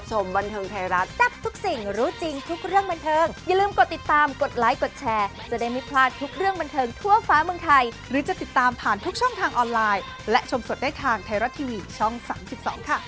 แต่พูดก็พูดช่วงนี้ให้มาน้อยเกินไปหรือเปล่า๑๓๖ครับ